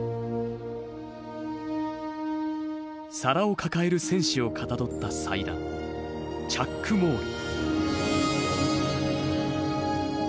皿を抱える戦士をかたどった祭壇チャックモール。